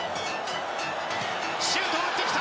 シュートを打ってきた！